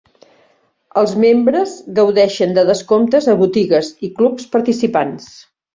Els membres gaudeixen de descomptes a botigues i clubs participants.